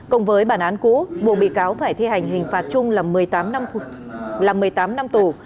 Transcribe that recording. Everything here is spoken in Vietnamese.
cộng với bản án cũ buộc bị cáo phải thi hành hình phạt chung là một mươi tám năm tù